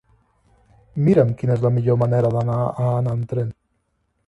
Mira'm quina és la millor manera d'anar a Anna amb tren.